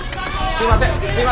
すいません。